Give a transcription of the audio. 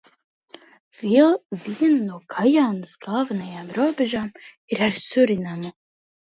Viena no Gajānas galvenajām robežām ir ar Surinamu.